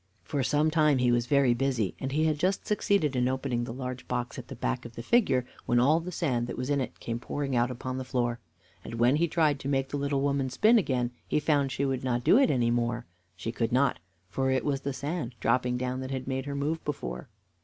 For some time he was very busy, and he had just succeeded in opening the large box at the back of the figure when all the sand that was in it came pouring out upon the floor, and when he tried to make the little woman spin again, he found she would not do it any more. She could not, for it was the sand dropping down that had made her move before.